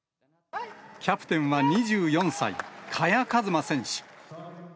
キャプテンは２４歳、萱和磨選手。